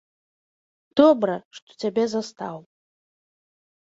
Добра, што цябе застаў.